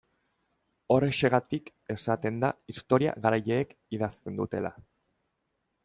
Horrexegatik esaten da historia garaileek idazten dutela.